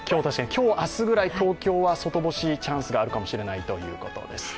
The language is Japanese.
今日、明日ぐらい、東京は外干しのチャンスがあるかもしれないということです。